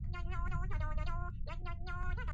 ძეგლი მთლიანად დანგრეულია.